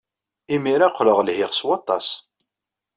Imir-a, qqleɣ lhiɣ s waṭas.